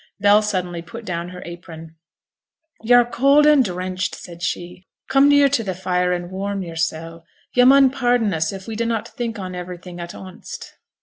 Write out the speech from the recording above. Bell suddenly put down her apron. 'Yo're cold and drenched,' said she. 'Come near to t' fire and warm yo'rsel'; yo' mun pardon us if we dunnot think on everything at onest.'